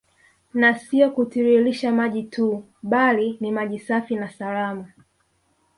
Na sio kutiririsha maji tu bali ni maji safi na salama